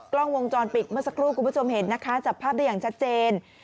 กล้องวงจรปิดเมื่อสักครู่คุณผู้ชมเห็นนะคะจับภาพได้อย่างชัดเจน